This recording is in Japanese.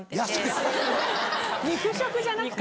肉食じゃなくて？